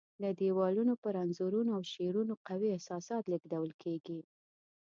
د دیوالونو پر انځورونو او شعرونو قوي احساسات لېږدول کېږي.